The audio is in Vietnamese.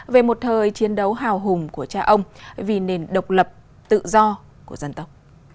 về một thời chiến đấu hào hùng của cha ông vì nền độc lập tự do của dân tộc